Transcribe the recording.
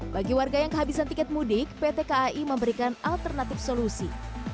bagi warga yang kehabisan tiket mudik pt kai memberikan alternatif solusi